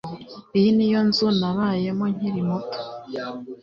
Iyi ni yo nzu nabayemo nkiri muto